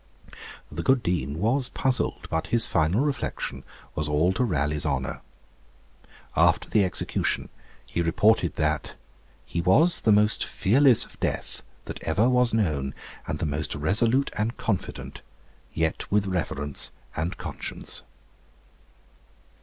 The good Dean was puzzled; but his final reflection was all to Raleigh's honour. After the execution he reported that 'he was the most fearless of death that ever was known, and the most resolute and confident; yet with reverence and conscience.'